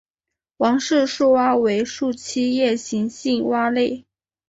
王氏树蛙为树栖夜行性蛙类。